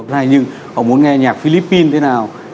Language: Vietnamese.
hay như họ muốn nghe nhạc philippines thế nào